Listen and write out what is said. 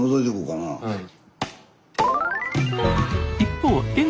はい。